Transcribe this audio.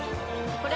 これ！